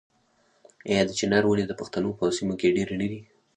آیا د چنار ونې د پښتنو په سیمو کې ډیرې نه دي؟